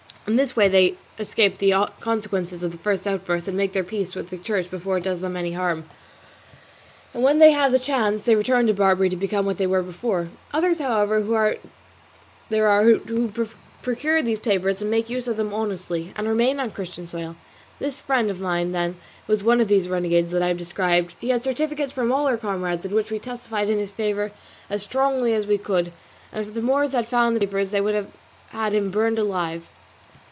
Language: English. In this way they escape the consequences of the first outburst and make their peace with the Church before it does them any harm, and then when they have the chance they return to Barbary to become what they were before. Others, however, there are who procure these papers and make use of them honestly, and remain on Christian soil. This friend of mine, then, was one of these renegades that I have described; he had certificates from all our comrades, in which we testified in his favour as strongly as we could; and if the Moors had found the papers they would have burned him alive.